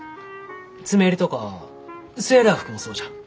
詰め襟とかセーラー服もそうじゃ。